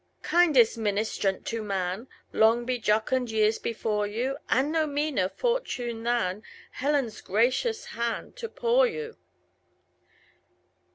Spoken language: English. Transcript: Kindest ministrant to man, Long be jocund years before you, And no meaner fortune than Helen's gracious hand to pour you!